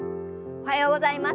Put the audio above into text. おはようございます。